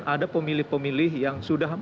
ada pemilih pemilih yang sudah